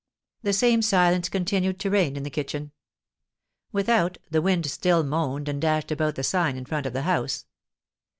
The same silence continued to reign in the kitchen. Without, the wind still moaned and dashed about the sign in front of the house.